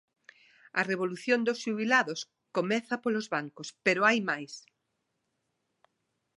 A revolución dos xubilados comeza polos bancos, pero hai máis.